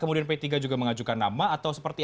kemudian p tiga juga mengajukan nama atau seperti